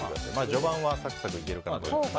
序盤はサクサクいけるかなと。